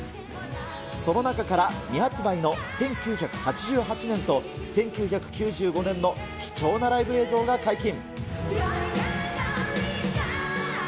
その中から未発売の１９８８年と１９９５年の貴重なライブ映像が解禁。